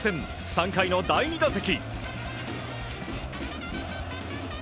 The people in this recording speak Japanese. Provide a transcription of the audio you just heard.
３回の第２打席。